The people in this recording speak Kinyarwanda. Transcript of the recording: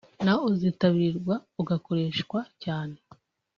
nawo uzitabirwa ugakoreshwa cyane